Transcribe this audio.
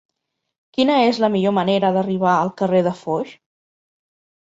Quina és la millor manera d'arribar al carrer de Foix?